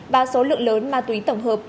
và số lượng lớn ma túy tổng hợp